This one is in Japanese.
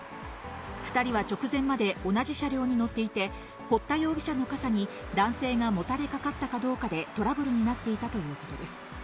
２人は直前まで同じ車両に乗っていて堀田容疑者の傘に男性がもたれかかったかどうかでトラブルになっていたということです。